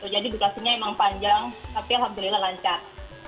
jadi bukasinya memang panjang tapi alhamdulillah lancar